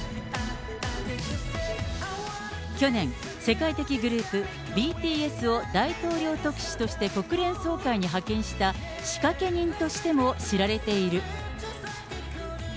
去年、世界的グループ、ＢＴＳを大統領府特使として国連総会に派遣した仕掛け人としても知られている。